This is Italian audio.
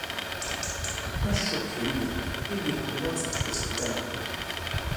Ma è scioccheria; io dico che Mozart è stupendo.